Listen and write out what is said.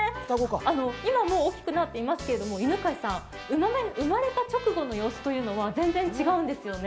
今もう大きくなっていますけど犬飼さん、生まれた直後の様子というのは、全然、違うんですよね？